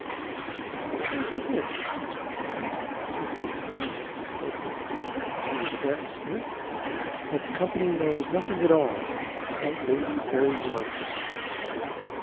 "I submit, Mr. Chairman," said one who had not spoken and he was a barrister "that the Company knows nothing at all about Lady Harry Norland.